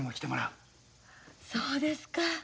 そうですか。